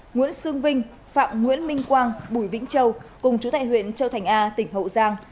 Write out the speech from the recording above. nguyễn sương vinh phạm nguyễn minh quang bùi vĩnh châu cùng chú tại huyện châu thành a tỉnh hậu giang